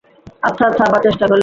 আচ্ছা, আচ্ছা, আবার চেষ্টা করি।